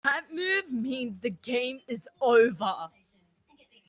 That move means the game is over.